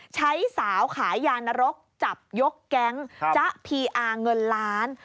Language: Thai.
สาวขายยานรกจับยกแก๊งจ๊ะพีอาร์เงินล้าน